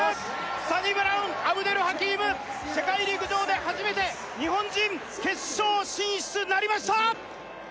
サニブラウン・アブデル・ハキーム世界陸上で初めて日本人決勝進出なりました！